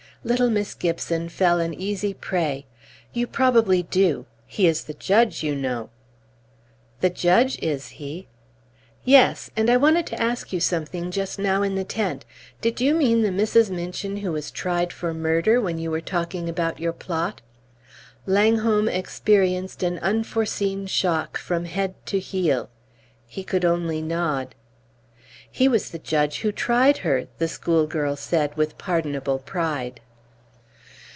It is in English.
Little Miss Gibson fell an easy prey. "You probably do; he is the judge, you know!" "The judge, is he?" "Yes; and I wanted to ask you something just now in the tent. Did you mean the Mrs. Minchin who was tried for murder, when you were talking about your plot?" Langholm experienced an unforeseen shock from head to heel; he could only nod. "He was the judge who tried her!" the schoolgirl said with pardonable pride.